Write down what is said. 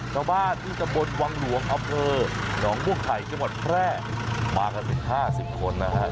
ชาวบ้านที่ตำบลวังหลวงอำเภอหนองบัวไข่จังหวัดแพร่มากันถึง๕๐คนนะครับ